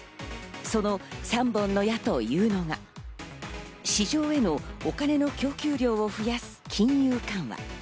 その３本の矢というのが、市場へのお金の供給量を増やす金融緩和。